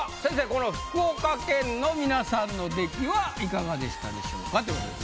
この福岡県の皆さんの出来はいかがでしたでしょうか？ということです。